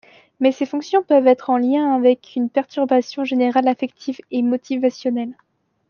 Mais ces fonctions peuvent être en lien avec une perturbation générale affective et motivationnelle.